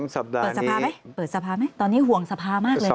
๒สัปดาห์นี้เปิดสภาไหมตอนนี้ห่วงสภามากเลย